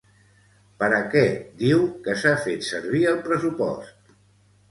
Per a què diu que s'ha fet servir el pressupost?